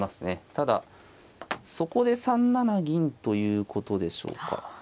ただそこで３七銀ということでしょうか。